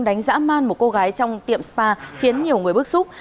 đánh giã man một cô gái trong tiệm spa khiến nhiều người bức xúc